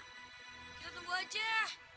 kita tunggu aja